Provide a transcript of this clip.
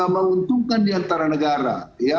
menguntungkan diantara negara